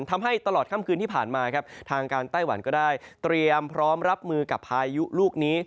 ทำให้ตลอดค่ำคืนที่ผ่านมาครับทางการไต้หวันก็ได้เตรียมพร้อมรับมือกับพายุลูกนี้